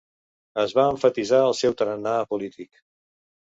Es va emfatitzar el seu tarannà apolític.